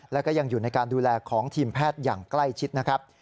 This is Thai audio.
แล้วก็ยังอยู่ในการดูแลของทีมแพทย์อย่างใกล้ชิดนะครับ